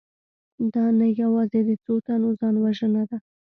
دا نه یوازې د څو تنو ځانوژنه ده